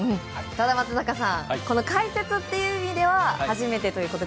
ただ松坂さん解説という意味では初めてということで。